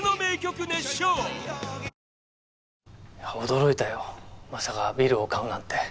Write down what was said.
驚いたよまさかビルを買うなんて。